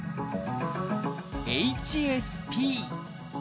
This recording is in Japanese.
「ＨＳＰ」。